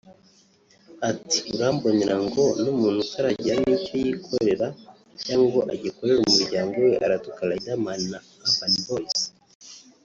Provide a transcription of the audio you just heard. Ati “Urambonera ngo n’umuntu utaragira nicyo yikorera cyangwa ngo agikorere umuryango we aratuka Riderman na Urban Boys